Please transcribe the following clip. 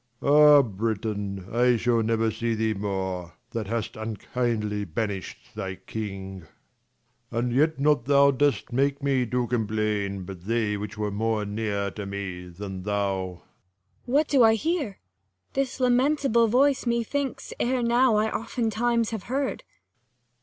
Ah, Britain, I shall never see thee more, That hast unkindly banished thy king : 45 86 KING LEIR AND [Acr V And yet not thou dost make me to complain, But they which were more near to me than thou. Cor. What do I hear ? this lamentable voice, Methinks, ere now I oftentimes have heard.